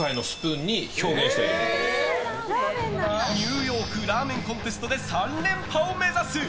ＮＹラーメンコンテストで３連覇を目指す！